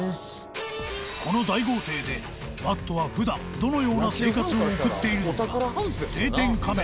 この大豪邸で Ｍａｔｔ は普段どのような生活を送っているのか